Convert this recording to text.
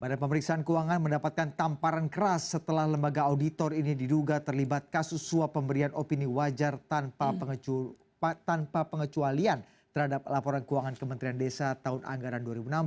badan pemeriksaan keuangan mendapatkan tamparan keras setelah lembaga auditor ini diduga terlibat kasus suap pemberian opini wajar tanpa pengecualian terhadap laporan keuangan kementerian desa tahun anggaran dua ribu enam belas